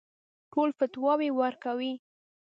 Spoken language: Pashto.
ټول فتواوې ورکوي.